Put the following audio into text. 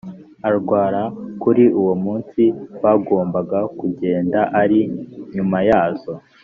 arwara kuri uwo munsi bagombaga kugenda ari nyuma yazo